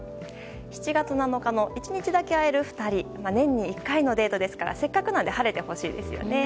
７月７日の１日だけ会える２人年に１回のデートですからせっかくなので晴れてほしいですよね。